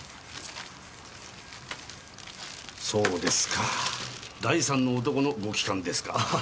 そうですか第三の男のご帰還ですか。